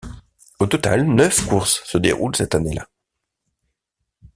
Au total neuf courses se déroulent cette année-là.